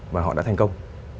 và họ đã thành công